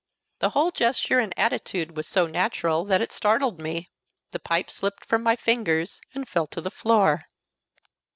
The whole gesture and attitude was so natural that it startled me. The pipe slipped from my fingers and fell to the floor.